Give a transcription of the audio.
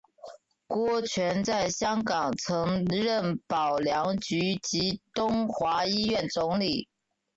郭泉在香港曾任保良局及东华医院总理。